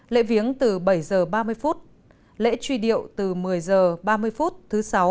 lễ viếng từ bảy h ba mươi phút lễ truy điệu từ một mươi h ba mươi phút thứ sáu